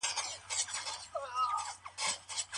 ده د شفافيت لپاره د حساب ورکولو دود پيل کړ.